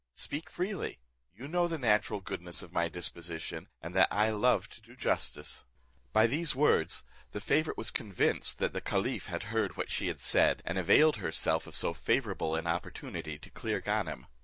Speak freely, you know the natural goodness of my disposition, and that I love to do justice." By these words the favourite was convinced that the caliph had heard what she had said, and availed herself of so favourable an opportunity to clear Ganem.